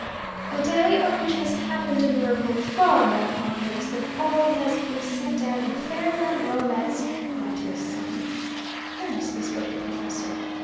"A day on which has happened a miracle far more marvellous than all that has been set down in fairyland romance, my dear son," earnestly spoke the professor.